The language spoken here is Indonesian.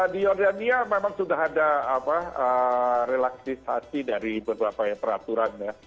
di jordania memang sudah ada relaksisasi dari beberapa peraturan ya